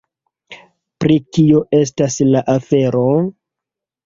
Pri kio estas la afero?